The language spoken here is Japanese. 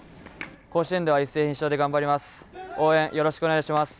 甲子園では一戦必勝で頑張ります。